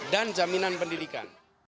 dan jaminan pendidikan